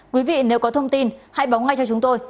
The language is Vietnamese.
quý vị nếu có thông tin hãy báo ngay cho chúng tôi